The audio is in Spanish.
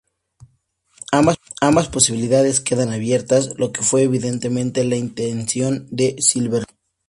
Ambas posibilidades quedan abiertas, lo que fue evidentemente la intención de Silverberg.